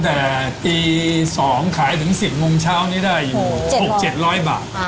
แต่ตี๒ขายถึง๑๐โมงเช้านี้ได้อยู่๖๗๐๐บาท